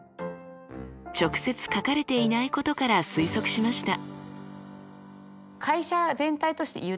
直接書かれていないことから推測しました。